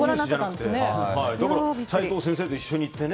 だから齋藤先生と一緒に行って。